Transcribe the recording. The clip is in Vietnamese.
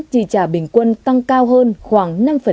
chi trả bình quân tăng cao hơn khoảng năm